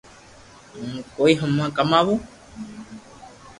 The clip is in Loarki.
ھون ڪوئي ڪماوُ